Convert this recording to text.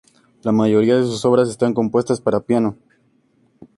La mayoría de sus obras están compuestas para piano.